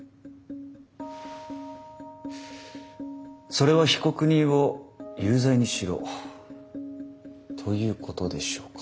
それは被告人を有罪にしろということでしょうか？